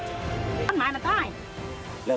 นานหมายมันนาดใจ